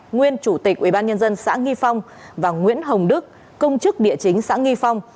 nguyên chủ tịch ubnd xã nghi phong và nguyễn hồng đức công chức địa chính xã nghi phong